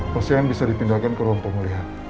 pasien bisa dipindahkan ke ruang pemulihan